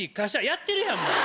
やってるやんもう。